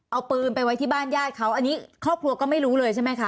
เอาปืนไปไว้ที่บ้านญาติเขาอันนี้ครอบครัวก็ไม่รู้เลยใช่ไหมคะ